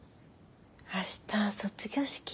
明日卒業式。